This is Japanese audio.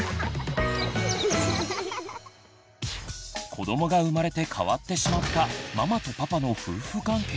子どもが生まれて変わってしまったママとパパの夫婦関係。